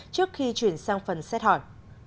trước khi chuyển sang phần xét hỏi